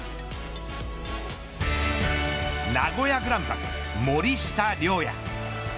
名古屋グランパス、森下龍矢。